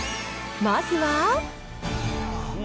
まずは。